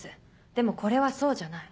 でもこれはそうじゃない。